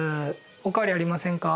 お変わりありませんか？